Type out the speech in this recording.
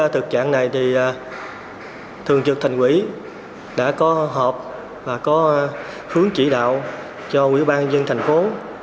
thực trạng này thường trực thành quỹ đã có họp và có hướng chỉ đạo cho quỹ ban dân thành phố